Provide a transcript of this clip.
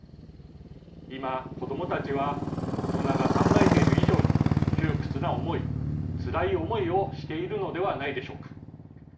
今子どもたちは大人が考えている以上に窮屈な思いつらい思いをしているのではないでしょうか。